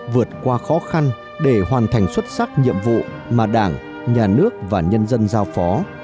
vượt qua khó khăn để hoàn thành xuất sắc nhiệm vụ mà đảng nhà nước và nhân dân giao phó